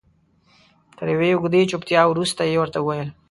تر یوې اوږدې چوپتیا وروسته یې ورته وویل.